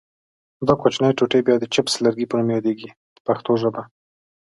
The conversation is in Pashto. دا کوچنۍ ټوټې بیا د چپس لرګي په نوم یادیږي په پښتو ژبه.